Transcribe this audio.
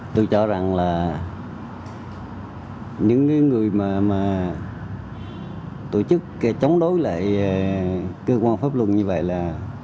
tôi cho rằng là những người mà tổ chức chống đối lại cơ quan pháp luật như vậy là